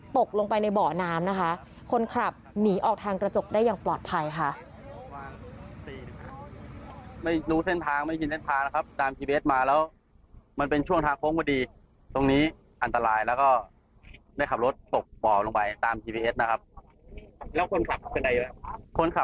ตกลงไปในบ่อน้ำนะคะคนขับหนีออกทางกระจกได้อย่างปลอดภัยค่ะ